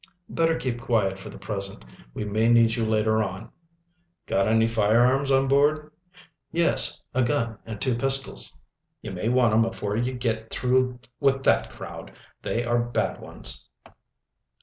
"Better keep quiet for the present. We may need you later on." "Got any firearms on board?" "Yes, a gun and two pistols." "Ye may want 'em afore ye git through with that crowd. They are bad ones."